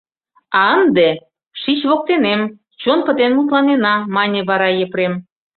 — А ынде шич воктенем, чон пытен мутланена, — мане вара Епрем.